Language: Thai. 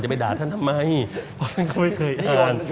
ไปด่าท่านทำไมเพราะท่านก็ไม่เคยอ่าน